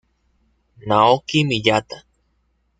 Naoki Miyata